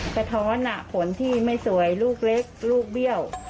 กระท้อนผลที่ไม่สวยลูกเล็กลูกเบี้ยว